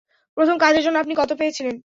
প্রথম কাজের জন্য আপনি কতো পেয়েছিলেন?